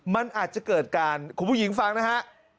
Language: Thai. มันอาจจะเกิดการคุณผู้หญิงฟังนะฮะ